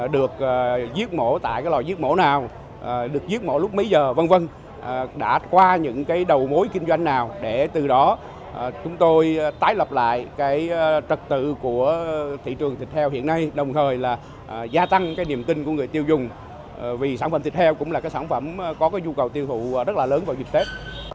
được giết mổ tại cái lòi giết mổ nào được giết mổ lúc mấy giờ v v đã qua những cái đầu mối kinh doanh nào để từ đó chúng tôi tái lập lại cái trật tự của thị trường thịt heo hiện nay đồng thời là gia tăng cái niềm tin của người tiêu dùng vì sản phẩm thịt heo cũng là cái sản phẩm có cái nhu cầu tiêu thụ rất là lớn vào dịp tết